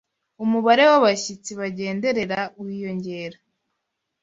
umubare w’abashyitsi bagenderera wiyongere